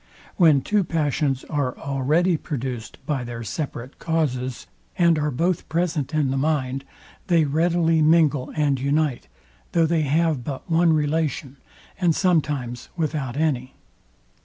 When two passions are already produced by their separate causes, and are both present in the mind, they readily mingle and unite, though they have but one relation, and sometimes without any.